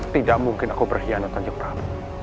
tidak mungkin aku berkhianatan ke kajeng prabu